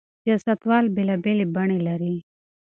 سياستوال بېلابېلې بڼې لري.